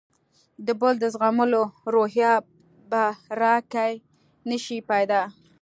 د بل د زغملو روحیه به راکې نه شي پیدا.